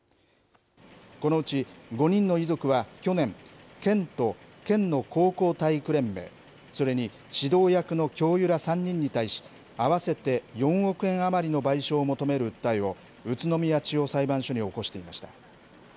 このうち５人の遺族は、去年、県と県の高校体育連盟、それに指導役の教諭ら３人に対し、合わせて４億円余りの賠償を求める訴えを宇都宮地方裁判所に起こしていました。